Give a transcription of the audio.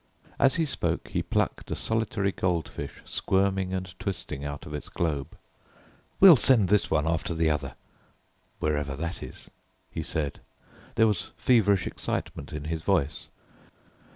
As he spoke he plucked a solitary goldfish squirming and twisting out of its globe. "We'll send this one after the other wherever that is," he said. There was feverish excitement in his voice.